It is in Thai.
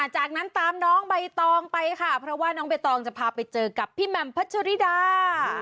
จากนั้นตามน้องใบตองไปค่ะเพราะว่าน้องใบตองจะพาไปเจอกับพี่แหม่มพัชริดา